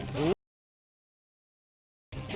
จัดสีบด้วยครับจัดสีบด้วยครับ